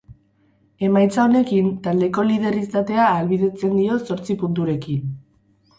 Emaitza honekin, taldeko lider izatea ahalbidetzen dio zortzi punturekin.